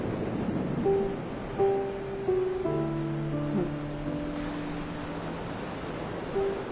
うん。